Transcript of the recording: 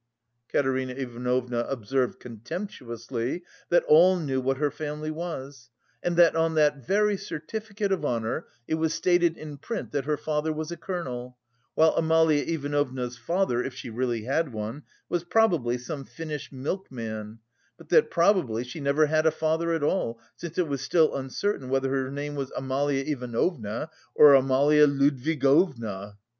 Katerina Ivanovna observed contemptuously that all knew what her family was and that on that very certificate of honour it was stated in print that her father was a colonel, while Amalia Ivanovna's father if she really had one was probably some Finnish milkman, but that probably she never had a father at all, since it was still uncertain whether her name was Amalia Ivanovna or Amalia Ludwigovna.